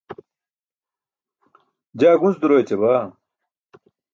jaa gunc duro ećabaa